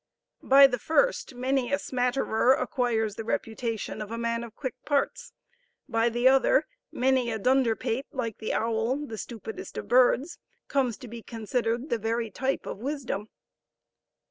By the first many a smatterer acquires the reputation of a man of quick parts; by the other many a dunderpate, like the owl, the stupidest of birds, comes to be considered the very type of wisdom.